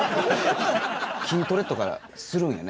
筋トレとかするんやね